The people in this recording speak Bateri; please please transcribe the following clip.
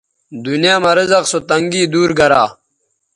دنیاں مہ رزق سو تنگی دور گرا